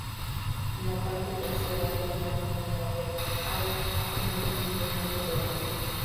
En la parte trasera, lindando con la hierba, hay acumulación de canto rodado.